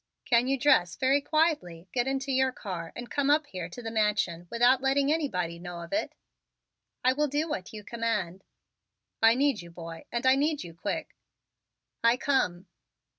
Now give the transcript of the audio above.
"Can you dress very quietly, get your car and come up here to the Mansion without letting anybody know of it?" "I will do what you command." "I need you, boy, and I need you quick." "I come."